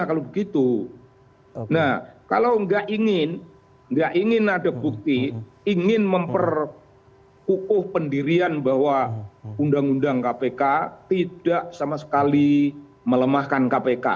kalau begitu nah kalau nggak ingin ada bukti ingin memperkukuh pendirian bahwa undang undang kpk tidak sama sekali melemahkan kpk